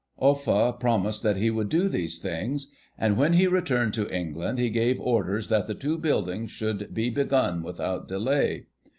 Offa promised that he would do these things, and when he returned to England he gave orders that the two buildings should be begun without delay.